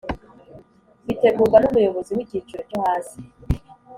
bitegurwa numuyobozi wicyiciro cyo hasi